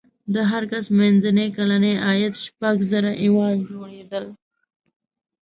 د هر کس منځنی کلنی عاید شپږ زره یوان جوړېدل.